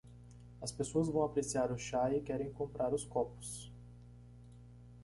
As pessoas vão apreciar o chá e querem comprar os copos.